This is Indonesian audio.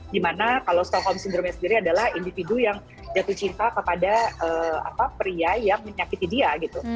di mana kalau stockholm syndromenya sendiri adalah individu yang jatuh cinta kepada pria yang menyakiti dia gitu